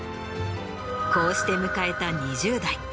こうして迎えた２０代。